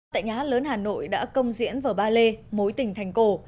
tại nhá lớn hà nội đã công diễn vở ba lê mối tình thành cổ